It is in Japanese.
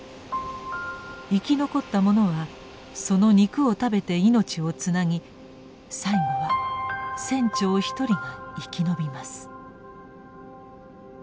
生き残った者はその肉を食べて命をつなぎ最後は船長一人が生き延びます。